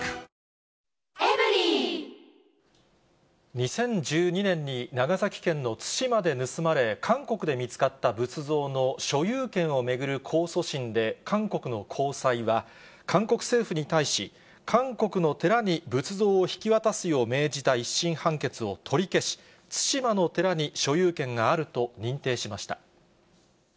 ２０１２年に長崎県の対馬で盗まれ、韓国で見つかった仏像の所有権を巡る控訴審で、韓国の高裁は、韓国政府に対し、韓国の寺に仏像を引き渡すよう命じた１審判決を取り消し、対馬の寺に所有権があると認定しました。